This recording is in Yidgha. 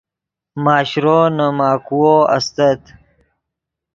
ماشرو نے ماکوؤ استت